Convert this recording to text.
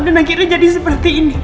dan akhirnya jadi seperti ini